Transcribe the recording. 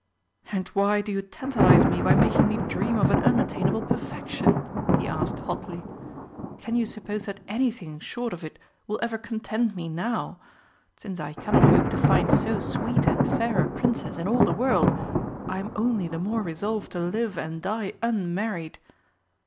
"And why do you tantalise me by making me dream of an unattainable perfection?" he asked hotly. "Can you suppose that anything short of it will ever content me now? Since I cannot hope to find so sweet and fair a Princess in all the world, I am only the more resolved to live and die unmarried!"